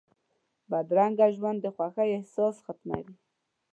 بدرنګه ژوند د خوښۍ احساس ختموي